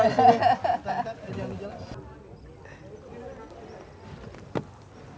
ini untuk harga masuk